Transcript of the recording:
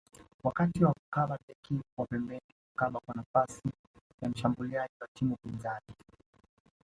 Wakati wa kukaba beki wa pembeni hukaba kwa nafasi ya washambuliaji wa timu pinzani